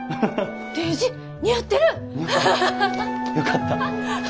よかった。